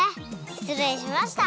しつれいしました！